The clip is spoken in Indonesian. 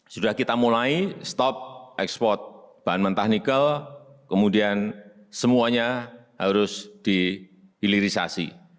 sudah kita mulai stop ekspor bahan mentah nikel kemudian semuanya harus dihilirisasi